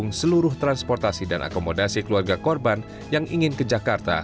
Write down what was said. langsung seluruh transportasi dan akomodasi keluarga korban yang ingin ke jakarta